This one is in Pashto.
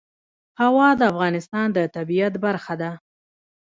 هوا د افغانستان د طبیعت برخه ده.